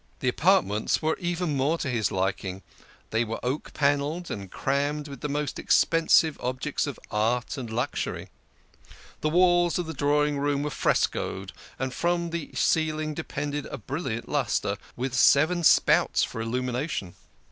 The apartments were even more 142 THE KING OF SCHNORRERS. to his liking ; they were oak panelled, and crammed with the most expensive objects of art and luxury. The walls of the drawing room were frescoed, and from the ceiling depended a brilliant lustre, with seven spouts for illumination.